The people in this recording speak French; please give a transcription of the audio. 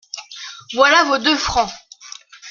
Voilà vos deux francs …'.